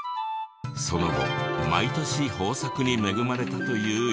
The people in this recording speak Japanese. その後毎年豊作に恵まれたという言い伝えが。